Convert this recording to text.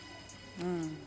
うん。